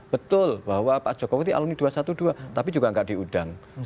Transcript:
betul bahwa pak jokowi ini alumni dua ratus dua belas tapi juga nggak diundang